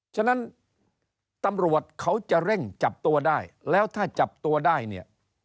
ฉะนั้นตำรวจเขาจะเร่งจับตัวได้แล้วถ้าจับตัวได้เนี่ย